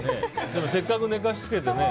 でも、せっかく寝かしつけてね。